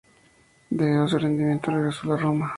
Debido a su rendimiento regresó a la Roma.